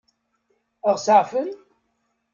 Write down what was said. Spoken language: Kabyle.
Ad ɣ-seɛfen?